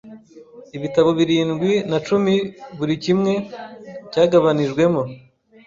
Ibitabo birindwi na cumi buri kimwe cyagabanijwemo